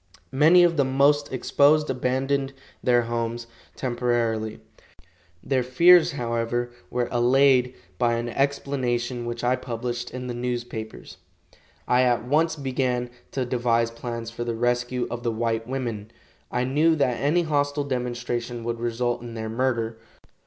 Many of the most exposed abandoned their homes temporarily. Their fears, however, were allayed by an explanation which I published in the newspapers. I at once began to devise plans for the rescue of the white women. I knew that any hostile demonstration would result in their murder.